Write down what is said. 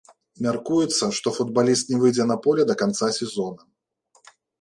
Мяркуецца, што футбаліст не выйдзе на поле да канца сезона.